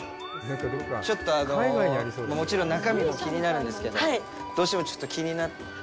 ちょっと、もちろん中身も気になるんですけどどうしても気になって。